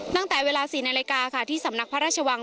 ตั้งแต่เวลา๔นาฬิกาค่ะที่สำนักพระราชวัง